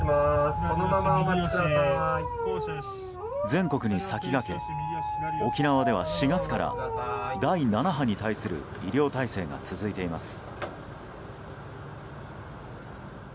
全国に先駆け沖縄では４月から第７波に対する医療体制が続いています。